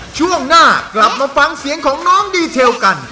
ช่วงหน้ากลับมาฟังเสียงของน้องดีเทลกัน